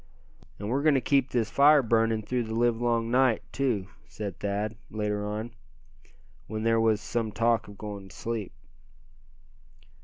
"And we're going to keep this fire burning through the live long night, too," said Thad, later on, when there was some talk of going to sleep.